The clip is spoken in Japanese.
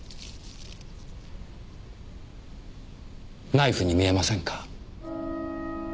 ナイフに見えませんか？